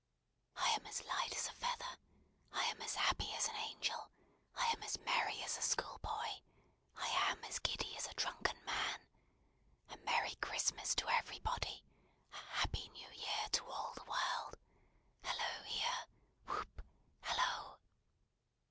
"I am as light as a feather, I am as happy as an angel, I am as merry as a schoolboy. I am as giddy as a drunken man. A merry Christmas to everybody! A happy New Year to all the world. Hallo here! Whoop! Hallo!"